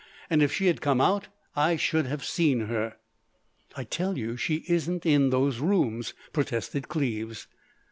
And if she had come out I should have seen her." "I tell you she isn't in those rooms!" protested Cleves.